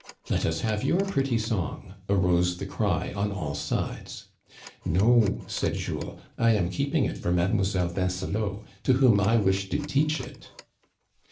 " Let us have your pretty song," arose the cry on all sides. " No," said Jules, " I am keeping it for Mademoi selle Vincelot, to whom I wish to teach it."